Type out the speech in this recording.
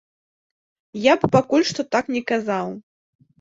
Я б пакуль што так не казаў.